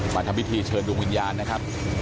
ทำพิธีเชิญดวงวิญญาณนะครับ